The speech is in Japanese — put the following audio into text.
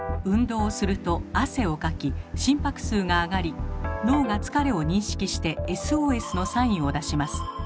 運動をすると汗をかき心拍数が上がり脳が疲れを認識してＳＯＳのサインを出します。